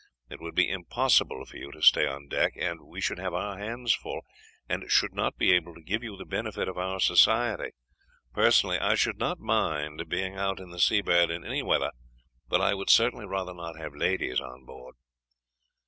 It would be impossible for you to stay on deck, and we should have our hands full, and should not be able to give you the benefit of our society. Personally, I should not mind being out in the Seabird in any weather, but I would certainly rather not have ladies on board."